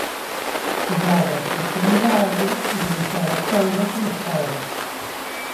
Quedaba a posibilidade de deixar a cousa como estaba.